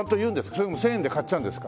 それとも１０００円で買っちゃうんですか？